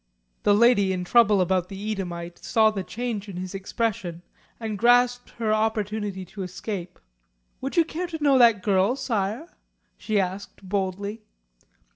The lady in trouble about the Eadhamite saw the change in his expression, and grasped her opportunity to escape. "Would you care to know that girl, Sire?" she asked boldly.